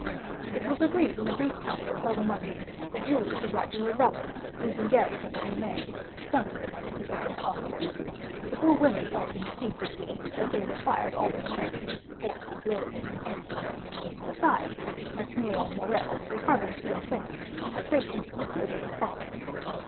It was agreed in a brief council held among them, that Julie should write to her brother, who was in garrison at Nîmes, to come to them as speedily as possible. The poor women felt instinctively that they required all their strength to support the blow that impended. Besides, Maximilian Morrel, though hardly two and twenty, had great influence over his father.